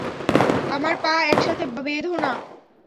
আমার পা একসাথে বেঁধো না।